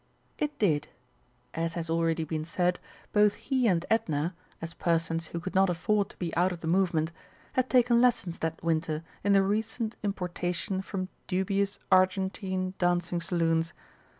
It did. As has already been said, both he and Edna, as persons who could not afford to be out of the movement, had taken lessons that winter in the recent importation from dubious Argentine dancing saloons.